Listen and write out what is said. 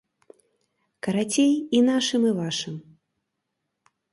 Карацей, і нашым і вашым.